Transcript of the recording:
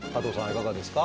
いかがですか？